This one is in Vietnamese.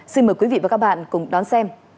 xin mời quý vị và các bạn cùng đón xem